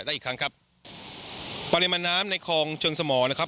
ได้อีกครั้งครับปริมาณน้ำในคลองเชิงสมรนะครับ